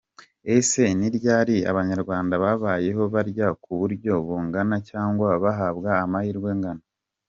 ese ni ryari abanyarwanda babayeho barya ku buryo bungana cyangwa bahabwa amahirwe angana?